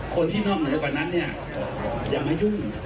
คนที่น่อเหนื่อยกว่านั้นอย่ามายุ่ง